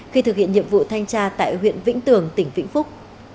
khi thực hiện nhiệm vụ thanh tra tại huyện vĩnh tường tỉnh vĩnh phúc